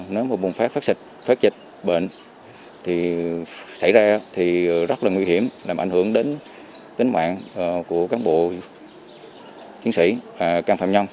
nếu mà bùng phát phát dịch bệnh thì xảy ra thì rất là nguy hiểm làm ảnh hưởng đến tính mạng của cán bộ chiến sĩ và can phạm nhân